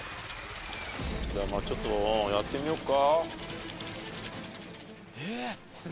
じゃあまあちょっとやってみようか。